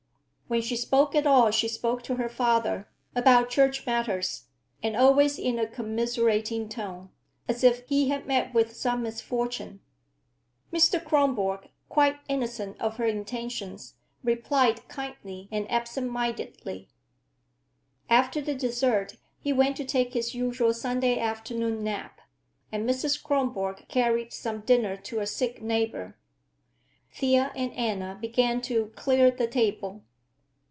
When she spoke at all she spoke to her father, about church matters, and always in a commiserating tone, as if he had met with some misfortune. Mr. Kronborg, quite innocent of her intentions, replied kindly and absent mindedly. After the dessert he went to take his usual Sunday afternoon nap, and Mrs. Kronborg carried some dinner to a sick neighbor. Thea and Anna began to clear the table.